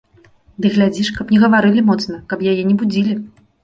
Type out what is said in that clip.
Ды глядзі ж, каб не гаварылі моцна, каб яе не будзілі.